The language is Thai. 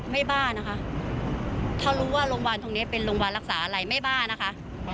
บ้านะคะถ้ารู้ว่าโรงพยาบาลตรงนี้เป็นโรงพยาบาลรักษาอะไรไม่บ้านะคะ